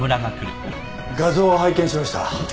画像を拝見しました。